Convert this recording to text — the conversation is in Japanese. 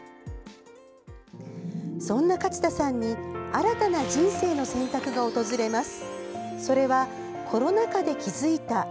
そんな勝田さんに新たな「人生の選択」が訪れます。